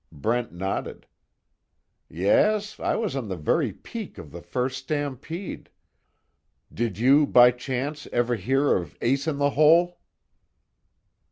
Brent nodded. "Yes, I was on the very peak of the first stampede. Did you, by chance, ever hear of Ace In The Hole?"